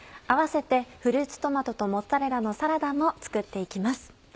併せて「フルーツトマトとモッツァレラのサラダ」も作って行きます。